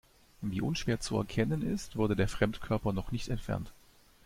Wie unschwer zu erkennen ist, wurde der Fremdkörper noch nicht entfernt.